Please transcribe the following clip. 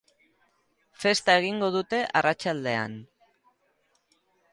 Festa egingo dute arratsaldean.